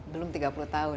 belum tiga puluh tahun